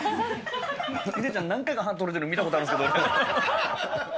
ヒデちゃん、何回か、歯取れてるの見たことあるんですけど。